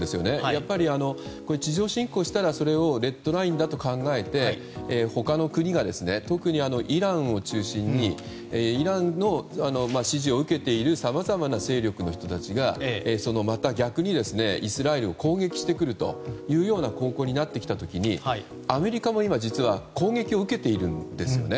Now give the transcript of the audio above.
やっぱり地上侵攻したらそれをレッドラインだと考えて、他の国が特にイランを中心にイランの支持を受けているさまざまな勢力の人たちがそのまた逆にイスラエルを攻撃してくるというような方向になったときにアメリカも今、実は攻撃を受けているんですよね。